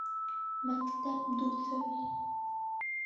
Мәктәп дуҫым